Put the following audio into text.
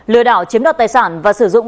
lừa đảo chiếm đoạt tài sản và sử dụng